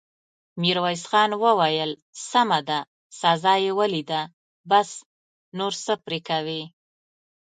ميرويس خان وويل: سمه ده، سزا يې وليده، بس، نور څه پرې کوې!